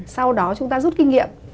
sau đó chúng ta rút kinh nghiệm